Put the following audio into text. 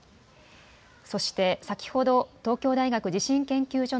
そして先ほど東京大学地震研究所